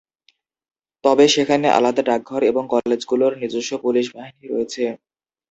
তবে, সেখানে আলাদা ডাকঘর এবং কলেজগুলোর নিজস্ব পুলিশ বাহিনী রয়েছে।